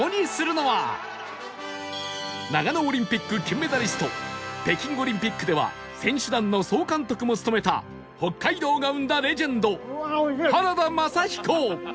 長野オリンピック金メダリスト北京オリンピックでは選手団の総監督も務めた北海道が生んだレジェンド原田雅彦